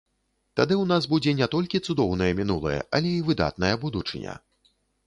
Тады ў нас будзе не толькі цудоўнае мінулае, але і выдатная будучыня.